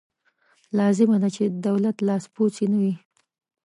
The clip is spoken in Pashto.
لازمه ده چې د دولت لاسپوڅې نه وي.